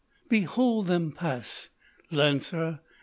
_ _Behold them pass!—lancer.